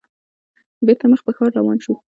بېرته مخ په ښار روان شوو.